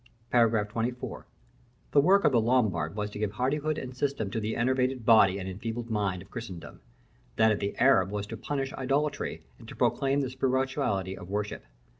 § XXIV. The work of the Lombard was to give hardihood and system to the enervated body and enfeebled mind of Christendom; that of the Arab was to punish idolatry, and to proclaim the spirituality of worship.